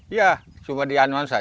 ya cuma dianuan saja